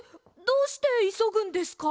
どうしていそぐんですか？